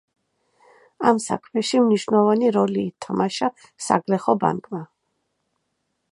ამ საქმეში მნიშვნელოვანი როლი ითამაშა საგლეხო ბანკმა.